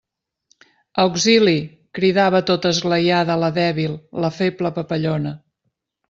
Auxili! —cridava tota esglaiada la dèbil, la feble papallona.